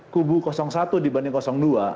kubu satu dibanding dua